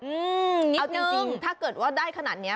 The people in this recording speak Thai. อืมนิดหนึ่งถ้าเกิดได้ขนาดนี้